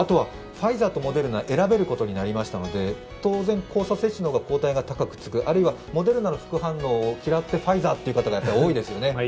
ファイザーとモデルナを選べるようになりましたので当然、交差接種の方が抗体が高くつく、あるいはモデルナの副反応を嫌ってファイザーという人もいますよね。